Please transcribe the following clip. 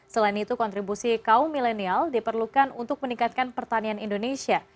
selain itu kontribusi kaum milenial diperlukan untuk meningkatkan pertanian indonesia